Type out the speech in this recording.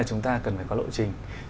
chúng ta cần phải có lộ trình